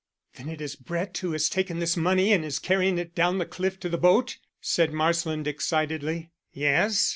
"Then it is Brett who has taken this money and is carrying it down the cliff to the boat?" said Marsland excitedly. "Yes.